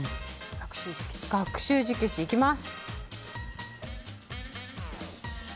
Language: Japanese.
学習字消し、いきます。